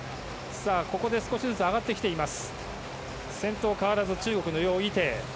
ここで少しずつ上がってきています。